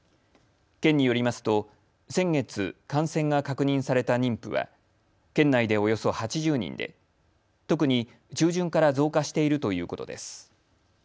県によりますと先月、感染が確認された妊婦は県内でおよそ８０人で特に中旬から増加しているということです。